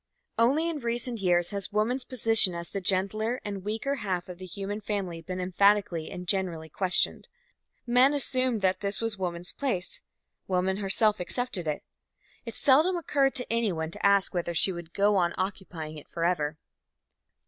Only in recent years has woman's position as the gentler and weaker half of the human family been emphatically and generally questioned. Men assumed that this was woman's place; woman herself accepted it. It seldom occurred to anyone to ask whether she would go on occupying it forever.